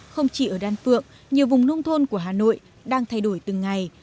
không chỉ ở đan phượng nhiều vùng nông thôn của hà nội đang thay đổi từng ngày